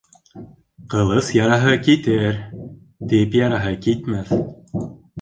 Ҡылыс яраһы китер, теп яраһы китмәҫ.